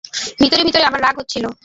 ভিতরে ভিতরে আমার রাগ হচ্ছিল।